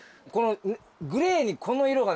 グレーにこの色がね